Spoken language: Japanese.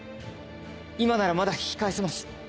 今ならまだ引き返せます。